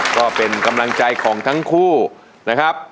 ก็เป็นกำลังใจของทั้งคู่นะครับ